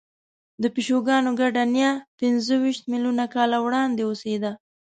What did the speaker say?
د پیشوګانو ګډه نیا پنځهویشت میلیونه کاله وړاندې اوسېده.